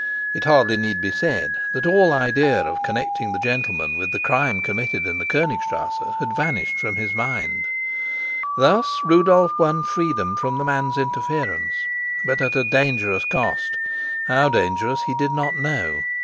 It hardly need be said that all idea of connecting the gentleman with the crime committed in the Konigstrasse had vanished from his mind. Thus Rudolf won freedom from the man's interference, but at a dangerous cost how dangerous he did not know.